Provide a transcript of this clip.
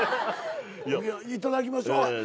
いただきましょう。